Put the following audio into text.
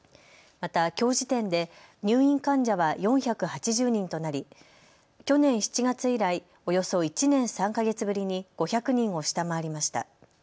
また、きょう時点で入院患者は４８０人となり去年７月以来、およそ１年３か月ぶりに５００人を下回りました。